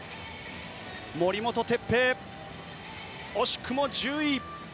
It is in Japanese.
森本哲平、惜しくも１０位。